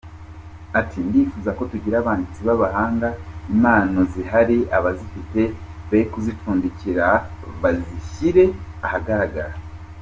Ati “Ndifuza ko tugira abanditsi b’abahanga, impano zirahari abazifite be kuzipfundikirana bazishyire agaharagara.